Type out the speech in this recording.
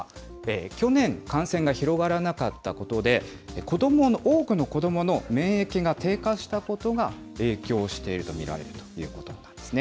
去年、感染が広がらなかったことで、多くの子どもの免疫が低下したことが影響していると見られるということなんですね。